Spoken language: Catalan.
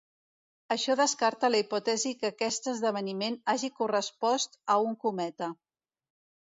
Això descarta la hipòtesi que aquest esdeveniment hagi correspost a un cometa.